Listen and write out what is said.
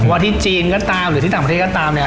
ว่าที่จีนก็ตามหรือที่ต่างประเทศก็ตามเนี่ย